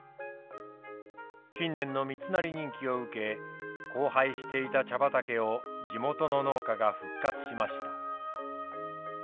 近年の三成人気を受け荒廃していた茶畑を地元の農家が復活しました。